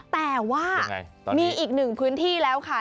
แต่ว่ามีอีกหนึ่งพื้นที่แล้วค่ะ